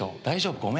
大丈夫？